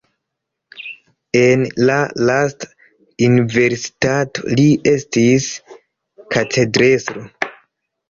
En la lasta universitato li estis katedrestro.